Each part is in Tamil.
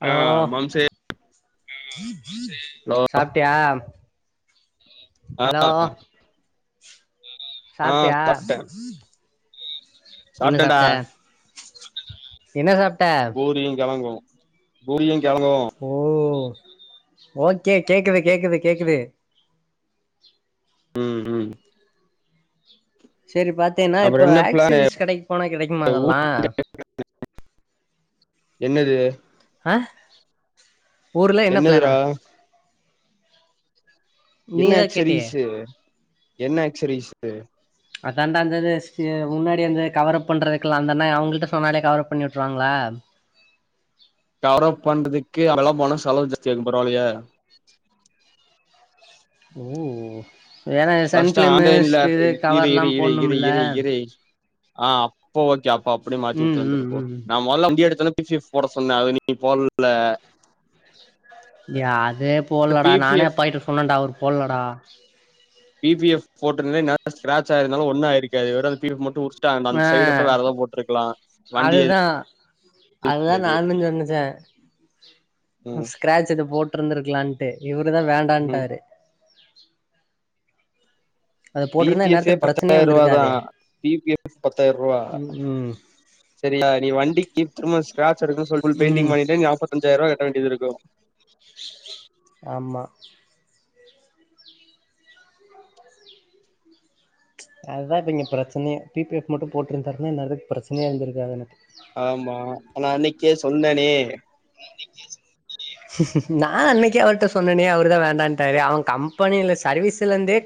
ஹலோ ஆ ஹலோ சாப்ட்டியா ஆ ஹலோ ஆ ஆ சாப்ட்டியா சாப்ட்டே [unintelligible] என்ன சாப்ட்டேன்டா சாப்ட்ட என்ன சாப் பூரியு கெழங்கு பூரியுங் கெழங்கு ஓ ஓகே கேக்குது கேக்குது கேக்குது ம் ம் சேரி பாத்தேன்னா அப்றோ இப்போ என்ன பிளானு ஆக்சரீஸ் கடைக்கு போனா கெடைக்குமா அதெல்லா என்னது அ ஊர்ல என்ன பிளானா என்னதுடா என்ன நீதா கேட்டியே ஆக்சரீஸு என்ன ஆக்சரீஸு அதான்டா அந்தது சி எ முன்னாடி அந்த கவரப் பண்றதுக்கெல்லா அந்தண்ண அவுங்கிள்ட்ட சொன்னாலே கவரப் பண்ணி விட்ருவாங்ளா கவரப் பண்றதுக்கே அங்கெல்லா போனா செலவு ஜாஸ்தியாகு பரவாலியா ஓ வேற ஃபர்ஸ்ட் சன்ஃபிளிமு ஸ் ஆன்லைன்ல இது இரு கவரெல்லா இரு இரு இரு போடுணுமல்ல இரு இரு ஆ அப்போ ஓகே அப் ஓ அப்டி மாத்தி ம் விட்டுரு ம் வந்துருப்போ ம் நா மொதல்ல வண்டி எடு த்தன பி பி எஃப் போட சொன்ன அத நீ போடல யா அதே போடுலடா பி பி நானே அப்பாகிட்ட சொன்னேன்டா அவர் போல்லடா பி பி எஃப் போட்டிருந்தினா இந்நேரோ ஸ்க்ராட்ச் ஆயிருந்தாலு ஒன்னு ஆயிருக்காது வெறு பி பி எஃப் மட்டு உரிச் ஏ வண்டி எது அதுதா அதுதா நானு சொன்னச்சே ம் ஸ்க்ரேட்ச் இது போ ட்டிருந்திருக்கலான்ட்டு இவருதா ம் வேண்டான்ட்டாரு அத பி போட்ருந்தா பி எஃபே இந்நேரத்துக்கு பிரச்சனையே பத்தாயரூவாதா வந்திருக்காதே பி பி எஃப் பத்தாயிரூவா ம் ம் சரியா நீ வண்டிக்கு சும்மாசு ஸ்க்ராட்ச் எடுக்கன் சொல் பெயி்ன்டிங் ம் பண்ணிட்டு நாப்பத்தஞ்சாயிரரூவா கட்டவேண்டியதிருக்கு ஆமா அதுதா இப்ப இங்க பிரச்சனயே பி பி எஃப் மட்டு போட்டிருந்தாருனா இந்நேரதுக்கு பிரச்சனயே இருந்திருக்காது எனக்கு ஆமா நா அன்னைக்கே சொன்னனே நா அன்னைக்கே அவர்ட்ட சொன்னனே அவரு தா வேணான்ட்டாரு அவன் கம்பெனில சர்வீஸ்ல இருந்தே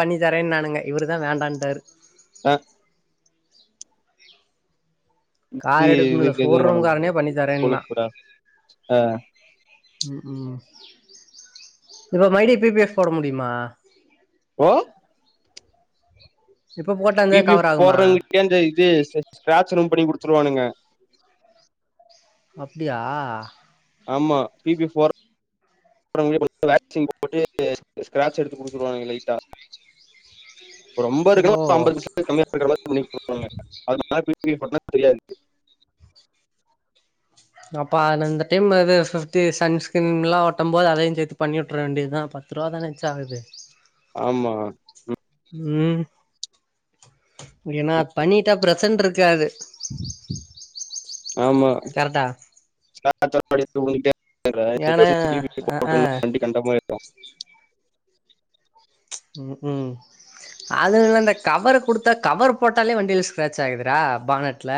பண்ணி தரேன்னானுங்க இவரு தா வேண்டான்ட்டாரு ஆ இது கார் எடுப்புல இதுக்கு எதுவு பண்ண ஷோரூம்காரனே முடியாது பண்ணி இது தரேன்னா கொழுப்புதா ஆ ம் ம் இப்ப மைடி பி பி எஃப் போட முடியுமா ஓ இப்ப போட்டா அந்த பி பி எஃப் கவர் ஆகுமா போரதுக்கே இந்த இது ஸ்க்ரேட்ச் ரூம் பண்ணி குடுத்துருவானுங்க அப்டியா ஆமா பி பி எஃப் போர [inaudible] ஸ்க்ரேட்ச் எடுத்து குடுத்துருவானுக லைட்டா ரொம்ப இருக்க ஓ ஒரு அம்பது பர்சண்ட் [inaudible] [inaudible] அப்ப அது இந்த டைம் இது ஃபிஃப்டி சன்ஸ்கிரீன்லா ஒட்டம் போது அதயும் சேத்து பண்ணி விட்டுற வேண்டியதுதா பத்து ரூபா தான எக்ஸ்ட்ரா ஆகுது ஆமா ம் ஏன்னா பண்ணிட்டா பிரச்சன் இருக்காது கரெக்டா [inaudible] [inaudible] ஏன்னா அ ஆ வண்டி கண்டமாயிறு [unintelligible] ம் ம் அது அந்த கவர் குடுத்தா கவர் போட்டாலே வண்டியில ஸ்க்ராட்ச் ஆயிதுரா பானட்ல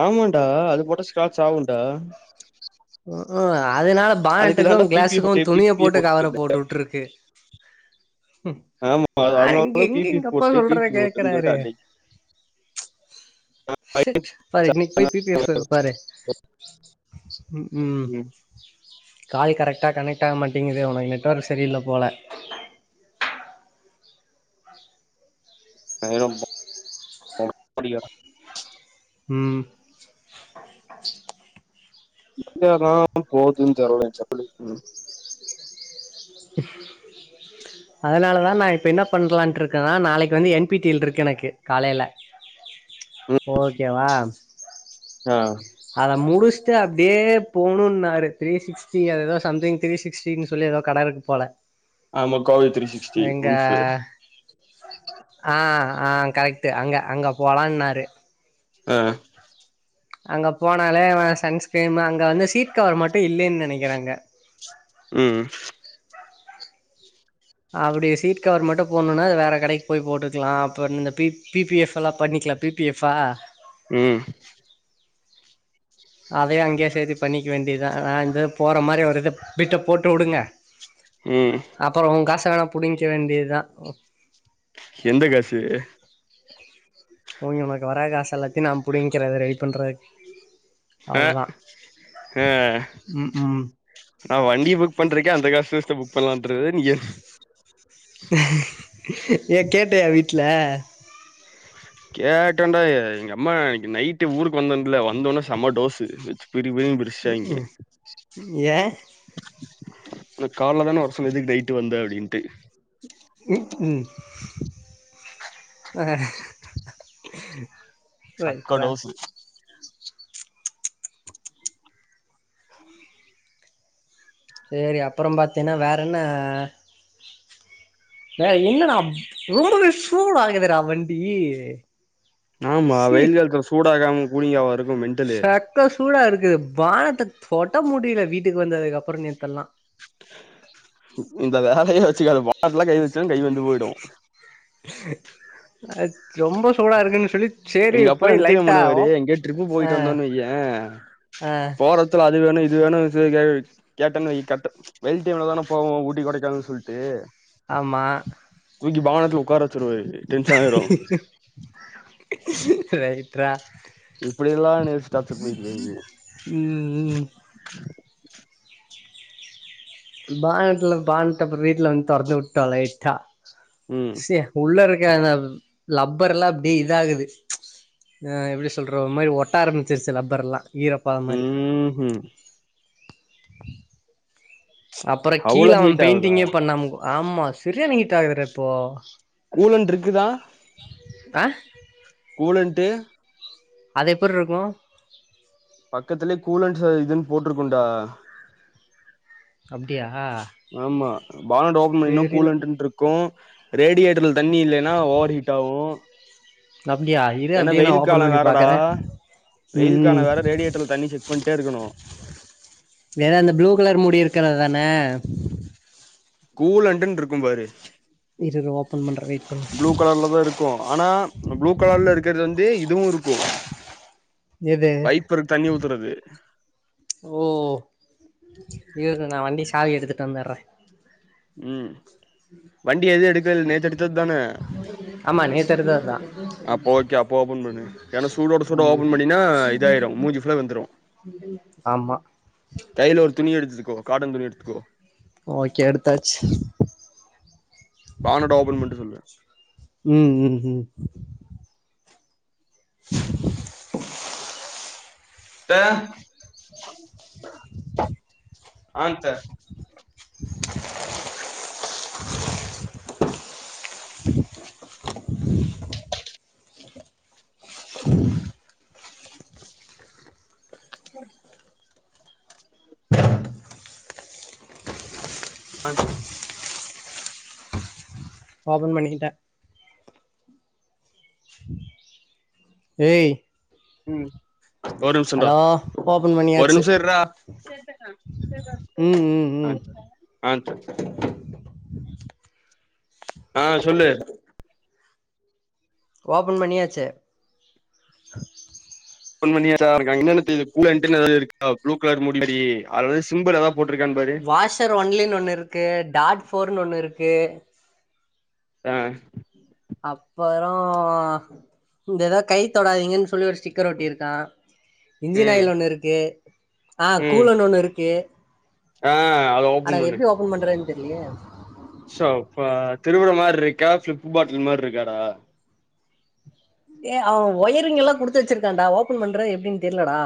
ஆமாடா அது போட்டா ஸ்க்ராட்ச் ஆவுடா ஓ ஓ அதனால பானட்டுக்கு தான்டா பிபி கிளாஸுக்கு போட்டு துணிய பிபி போட்டு கவர போட்டு உட்டுருக்கு ஆமா அது நா எங்க அதனாலதான் எங்க பிபி எங்க அப்பா போட்டு சொல்றத பிபி போட்டுன்னு கேக்குறாரு சொல்லிட்டு அடிக்கும் செட் பாரு இன்னைக்கு போய் பி பி எடுத்திட்டு வரே பாரு ம் கால் கரெக்ட்டா கனெக்ட்டாவ மாட்டீங்குதே உனக்கு நெட்வொர்க் சரியில்ல போல [inaudible] ம் எங்கதா போதுன் தெர்ல [inaudible] அதனாலதா நா இப்ப என்ன பண்லான்ட்டு இருக்கேன்னா நாளைக்கு வந்து என் பி டி எல் இருக்கு எனக்கு காலையில ஓகேவா ஆ அத முடுச்ட்டு அப்டியே போணுன்னாரு த்ரீ சிக்ஸ்டி அது ஏதோ சம்திங் த்ரீ சிக்ஸ்டின் சொல்லி ஏதோ கடருக்கு போல ஆமா கோவை த்ரீ சிக்ஸ்டி எங்க உல்ஃபு ஆ ஆ கரெக்ட்டு அங்க அங்க போலான்னாரு அ அங்க போனாலே அவன் சன்ஸ்கிரீமு அங்க வந்து சீட் கவர் மட்டு இல்லேன்னு நெனைக்குறேன் அங்க ம் அப்டி சீட் கவர் மட்டு போட்னுனா வேற கடைக்கு போய் போட்டுக்கலா அப்ப இந்த பிப் பி பி எஃப்-ல்லா பண்ணிக்கலா பி பி எஃப் ஆ ம் அதயே அங்கயே சேத்தி பண்ணிக்க வேண்டியதா அ இந்த போற மாரி ஒரு இத பிட்ட போட்டு உடுங்க ம் அப்புறோ உங்காஸ் தானா புடிங்க்க வேண்டியதா எந்த காசு ஓங் உனக்கு வர காசெல்லாத்தையு நான் புடிங்க்கிற வர வெயிட் பண்றே அ அ ம் ம் நா வண்டி புக் புக் பண்றக்கே அந்த காச வச்சி தா புக் பண்ணலான்றது நீ எ ஏ கேட்டையா வீட் ட்ல கேட்டேன்டா எ எங்க அம்மா அன்னைக்கி நைட்டு ஊருக்கு வந்தோன்ல வந்தோனே செம டோசு வெச்சு வீட்டுக்கு போயும் ம் பிரிச்சிட்டாயிங்க ம் ஏ உன்ன கால்ல தான வர சொன்ன எதுக்கு நையிட்டு வந்த அப்டின்ட்டு ம் ம் அ சக்க டோசு செரி அப்புறம் பாத்தீன்னா வேறென்ன வேற என்னடா அப் ரொம்பவே சூடாகுதுடா வண்டி ஆமா சி வெயில் காலத்துல சூடாகாம் கூலிங்காவா இருக் சக்க சூடா இருக் கிது பானத்த தொட முடில வீட்டுக்கு வந்ததுக்கு அப்பறோ நேத்தல்லா இந்த வேலயே வச்சுக்காத [unintelligible] கை வச்ச கை வெந்து போயிடூ அ ரொம்ப சூடா இருக்குன்னு சொல்லித் எங்க அப்பாலா என்ன தெரியுமா பண்ணுவாரு எங்கயவுது ட்ரிப்பு ஆ போயிட்டு வந்தோன்னு வையே ஆ போறத்துல அதுவேணு இது வேணு [unintelligible] கேட்டேன்னு வை கட்ட வெயில் டைம்ல தானே போவோ ஊட்டி கொடைக்கானல் சொல்ட்டு ஆமா தூக்கி பவனத்துல உக்கார வச் துருவாரு டென்ஷன் ஆயிரும் ரைட் ரா இப்புடியெல்லா என்னைய ம் ம் பானட்டுல பான்ட்டு அப்புறோ வீட்ல வந்து தொறந்து விட்டோ லைட்டா ம் சே உள்ளருக் ஏ அந்த லப்பரெல்லா அப்டியே இதாகுது அ எப்டி சொல்றோ ஒரு மாரி ஒட்டாரம்பிச்சிருச்சு லப்பரெல்லா வீரப்பா மாரி ம்ஹும் ச்ச் அப்பற கீழ அவ்ளோ அவ ஹீட் ஆவுதா பெயிண்டிங்கே பண்ணாம ஆமா பிரியாணி ஹீட் ஆகுதுட இப்போ [inaudible] அ [unintelligible] ன்ட்டு அது எப்புருக்கோ பக்கத்துலே கூலன் ச இதுன் போட்ருக்குன்டா அப்டியா ஆமா பாண்ட் ஓபன் பன்னின தெரில கூலண்ட்டுருக்கு ரேடியேட்டர்ல தண்ணி இல்லலேனா ஓவர் ஹீட் ஆவு அப்டியா இரு ஏன்னா அப்டியே நா வெயில் ஓபன் காலோ பண்ணி வேறடா பாக்குறே வெயில் ம் காலோ வேற ரேடியேட்டர்ல தண்ணி செக் பண்ட்டே இருக்கனோ வேற அந்த ப்ளூ கலர் மூடி இருக்கறது தான கூலண்டுன்ருக்கும் பாரு இரு இரு ஓபன் பண்றே வெயிட் பண்ணு ப்ளூ கலர்லதா இருக்கோ ஆனா ப்ளூ கலர்ல இருக்கற்து வந் டேய் இதுவுருக்கு எது ச்ச் ஓ இரு [unintelligible] நா வண்டி சாவி எடுத்துட் வந்தற்றே ம் வண்டி எது எடுக்கல நேத்து எடுத்தது தான ஆமா நேத்தெடுத்த அதா அப்ப ஓகே அப்ப ஓபன் பண்ணு ஏன்னா சூடோட சூட ஓபன் பண்ணினா இதாயிரு மூஞ்சி ஃபுல்லா வெந்துரு [inaudible] ஆம்மா கைல ஒரு துணி எடுத்துக்கோ காட்டன் துணி எடுத்துக்கோ ஓக்கே எடுத்தாச் பானட ஓபன் பண்ட்டு சொல்லு ம் ம் ம் த்த ஆன்த்த அன் [inaudible] ஓபன் பண்ணிகிட்டே ஏய் ம் ஒர் நிம்ஷோடா ஹலோ ஓபன் ஒரு பண்ணியாச்சு நிம்ஷோ இர்ரா ம் ம் ம் ஆன்த்த ஆன்த்த அ சொல்லு ஓப்பன் பண்ணியாச்சு ஓபன் பண்ணியாச்சா உனக் அங்க என்னென்ன தெரிது கூலண்டுன் எதாது எழுதிருக்கா ப்ளூ க்லர் மூடி மாரி அதுல சிம்புல் எதா போட்ருக்கான் பாரு வாஷர் ஒன்லின்னு ஒண்ணுருக்கு டாட் ஃபோர்னு ஒன்னுருக்கு ஆ அப்பரோ இந்ததக் கை தொடாதீங்கன் சொல்லி ஒரு ஸ்டிக்கர் ஒட்டிருக்கா இன்ஜின் ம் ஆயில் ஒண்ணுருக்கு ஆ ம் கூலன் ஒன்னுருக்கு ஆ அட அத எப்டி ஓபன் பண்ற தெர்லயே ஷோப்பா திருவுற மார்ருக்கா ஃப்ளிப் பாட்டல் மார்ருக்காடா ஏ அவ ஒயரிங்கெல்லா குடுத்து வச்சிருக்கான்டா ஓப்பன் பண்ற எப்டின் தெர்லடா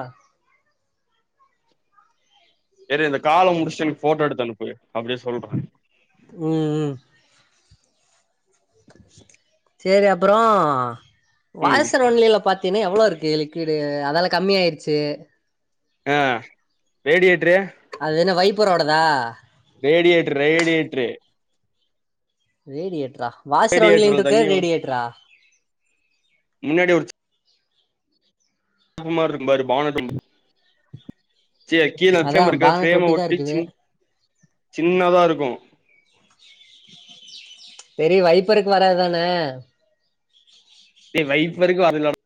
சரி இந்த காலம் முடிச்ட்டு எனக் ஃபோட்டோ எடுத்தனுப்பு அப்டியே சொல்ற உம் உம் ச்சேரி அப்புரோ ம் வாய்சர் ஒன்லிலப் பாத் த்தின்னு எவ்ளோருக்கு லிக்விடு அதல்ல கம்மியாயிருச்சு ஆஹ் ரேடியேட்ரு ம்பரோடதா ரேடியேட்ரு ரேடியேட்ரு ரேடியேட்ரா வாசர் ரேடியேட்டர்ல ஒன்லிட்ருக்கு தண்ணி ரேடியேட்ரா முன்னாடி ஒரு [unintelligible] பாரு [inaudible] சியே கீழ அதா ஃப்ரேம்மிருக்க பானட் ஃப்ரேம ஒட்டி தா ஒட்டிச் இருக்குது சின் சின்னதா இருக்கு பெரிய வைப்பருக்கு வரத்தான டே வைப்பருக்கு [unintelligible]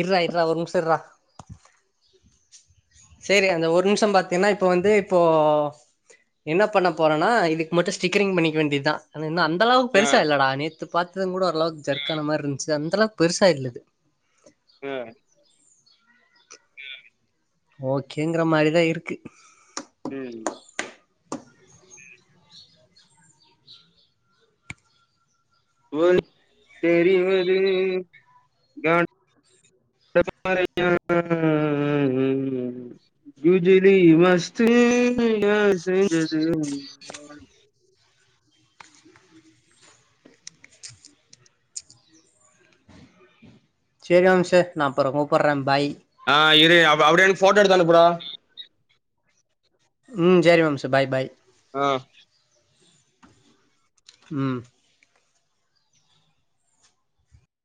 இர்றா இர்றா ஒரு நிம்ஷோ இர்றா சேரி அந்த ஒரு நிம்ஷோ பாத்தின்னா இப்ப வந்து இப்போ என்ன பண்ண போறனா இதுக்கு மட்டு ஸ்டிக்கரிங் பண்ணிக்க வேண்டி தா ஆனா என்ன அந் தளவுக்கு ஆ பெருசா இல்லடா நேத் து பாத்ததுங்கூட ஓரளவுக்கு ஜர்க்கான மாரி இருந்துச்சு அந்த அளவுக்கு பெருசா இல்ல அது அ ஓகேங்கற மாரிதா இருக்கு ம் [unintelligible] தெரிவது [inaudible] குஜிலி மஸ்து யார் செஞ்சது செரி மாம்சு நா அப்ற கூப்புட்றே பாய் ஆஹ் இரு அப் அப்டியே நின் போட்டோ எடுத் து அனுப்புடா ம் சேரி மாம்சு பாய் பாய் ஆ ம்